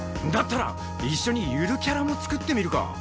だったら一緒にゆるキャラも作ってみるか？